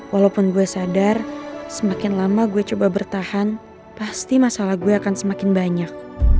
walaupun gue sadar semakin lama gue coba bertahan pasti masalah gue akan semakin banyak